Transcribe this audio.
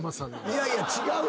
いやいや違う。